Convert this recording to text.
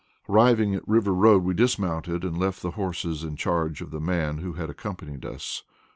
Arriving at River Road, we dismounted and left the horses in charge of the man who had accompanied us.